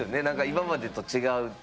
何か今までと違う。